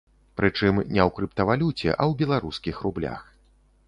Прычым, не ў крыптавалюце, а ў беларускіх рублях.